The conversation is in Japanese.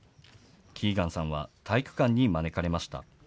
キーガンさんは体育館に招かれました。